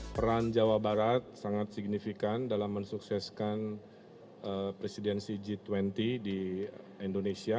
peran jawa barat sangat signifikan dalam mensukseskan presidensi g dua puluh di indonesia